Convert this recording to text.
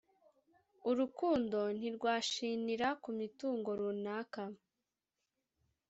urukundo ntirwashinira kumitungo runaka